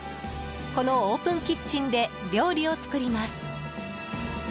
このオープンキッチンで料理を作ります。